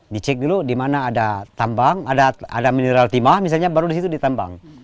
dicek dulu di mana ada tambang ada mineral timah misalnya baru disitu ditambang